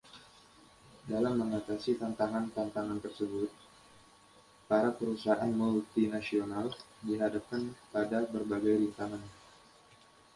Dalam mengatasi tantangan-tantangan tersebut, para Perusahaan Multinasional dihadapkan pada berbagai rintangan.